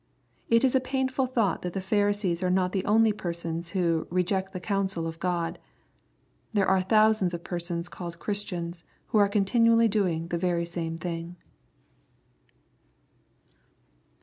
It is a painful thought that the Pharisees are not the only persons who " reject the counsel of God/' There are thousands of persons called Christians who are continually doing the very same thing.